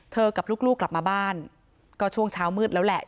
กับลูกกลับมาบ้านก็ช่วงเช้ามืดแล้วแหละ